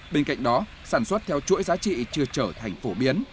bên cạnh đó sản xuất theo chuỗi giá trị chưa trở thành phổ biến